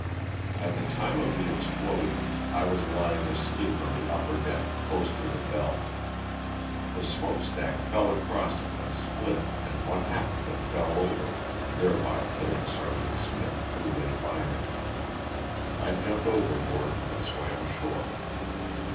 At the time of the explosion I was lying asleep on the upper deck, close to the bell. The smoke stack fell across it and split and one half of it fell over, thereby killing Sergt. Smith, who laid by me. I jumped over board and swam ashore.